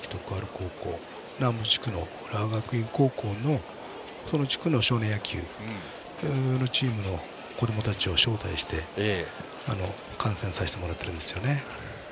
高校南部地区の浦和学院高校のその地区の少年野球のチームの子どもたちを招待して観戦させてもらってるんです。